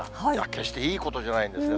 決していいことじゃないんですね。